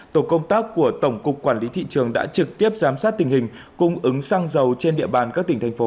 tổ công tác của tổng cục quản lý thị trường đã trực tiếp giám sát tình hình cung ứng xăng dầu trên địa bàn các tỉnh thành phố